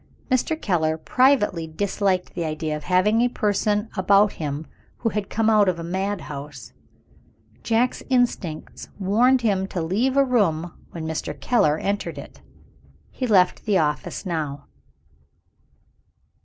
Mr. Keller privately disliked the idea of having a person about him who had come out of a madhouse. Jack's instincts warned him to leave a room when Mr. Keller entered it. He left the office now.